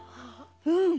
うん。